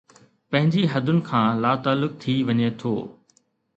پنهنجي حدن کان لاتعلق ٿي وڃي ٿو